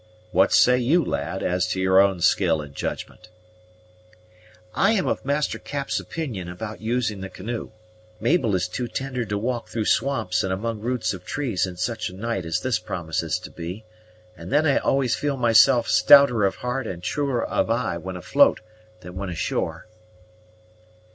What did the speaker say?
What say you, lad, as to your own skill and judgment?" "I am of Master Cap's opinion about using the canoe. Mabel is too tender to walk through swamps and among roots of trees in such a night as this promises to be, and then I always feel myself stouter of heart and truer of eye when afloat than when ashore."